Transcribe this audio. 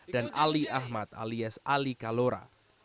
dan ali ahmad alias alika lora